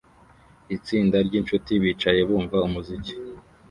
Itsinda ryinshuti bicaye bumva umuziki